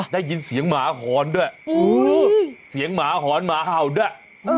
ได้ยินเสียงหอ้อนหมาด้วย